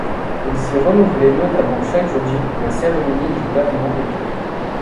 Il s'y renouvelait notamment chaque jeudi la cérémonie du lavement des pieds.